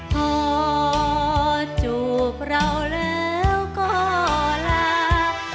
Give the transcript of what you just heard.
พอจูบเราแล้วก็ลา